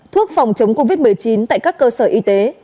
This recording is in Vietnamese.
thuốc phòng chống covid một mươi chín tại các cơ sở y tế